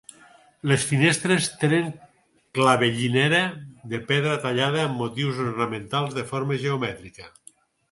Les finestres tenen clavellinera de pedra tallada amb motius ornamentals de forma geomètrica.